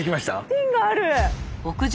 ピンがある。